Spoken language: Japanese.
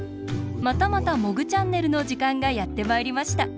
またまた「モグチャンネル」のじかんがやってまいりました。